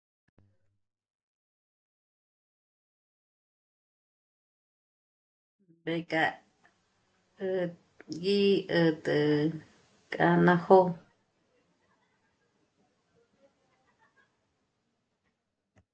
Mbéka gí 'ä̀t'ä k'a ná jó'o